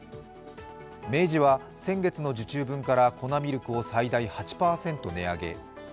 明治は先月の受注分から粉ミルクを最大８％値上げ。